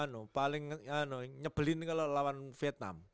nyebelin kalau lawan vietnam